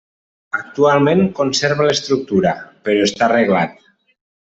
Actualment conserva l'estructura, però està arreglat.